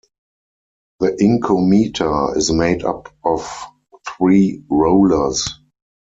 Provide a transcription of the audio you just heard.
The inkometer is made up of three rollers.